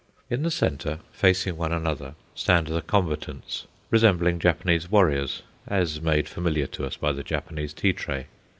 In the centre, facing one another, stand the combatants, resembling Japanese warriors, as made familiar to us by the Japanese tea tray.